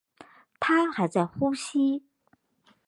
她还在呼吸